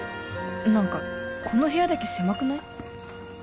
何かこの部屋だけ狭くない？